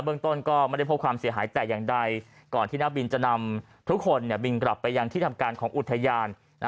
เรื่องต้นก็ไม่ได้พบความเสียหายแต่อย่างใดก่อนที่นักบินจะนำทุกคนบินกลับไปยังที่ทำการของอุทยาน